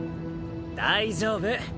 大丈夫！